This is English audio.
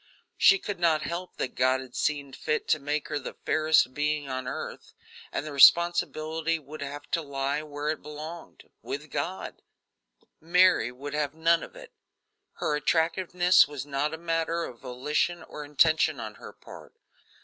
She could not help that God had seen fit to make her the fairest being on earth, and the responsibility would have to lie where it belonged with God; Mary would have none of it. Her attractiveness was not a matter of volition or intention on her part.